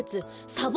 サボ。